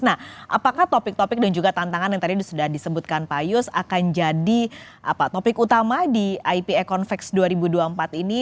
nah apakah topik topik dan juga tantangan yang tadi sudah disebutkan pak yus akan jadi topik utama di ipa convex dua ribu dua puluh empat ini